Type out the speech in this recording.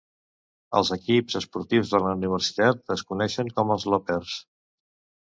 Els equips esportius de la universitat es coneixen com els Lopers.